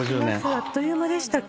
あっという間でしたか？